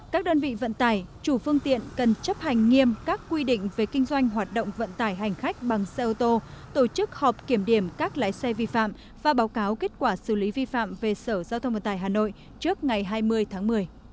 các đơn vị vận tải chủ phương tiện cần chấp hành nghiêm các quy định về kinh doanh hoạt động vận tải hành khách bằng xe ô tô tổ chức họp kiểm điểm các lái xe vi phạm và báo cáo kết quả xử lý vi phạm về sở giao thông vận tải hà nội trước ngày hai mươi tháng một mươi